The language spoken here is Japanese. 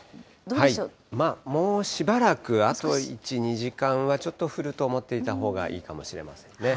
もうしばらくあと１、２時間はちょっと降ると思っていたほうがいいかもしれませんね。